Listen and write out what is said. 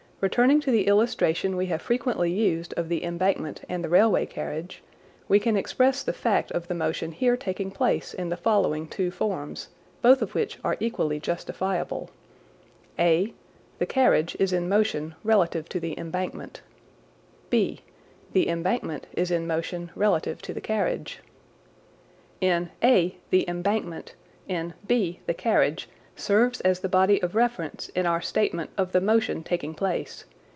Returning to the illustration we have frequently used of the embankment and the railway carriage, we can express the fact of the motion here taking place in the following two forms, both of which are equally justifiable : (a) The carriage is in motion relative to the embankment, (b) The embankment is in motion relative to the carriage. In (a) the embankment, in (b) the carriage, serves as the body of reference in our statement of the motion taking place.